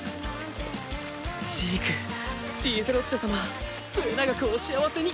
ジークリーゼロッテ様末永くお幸せに。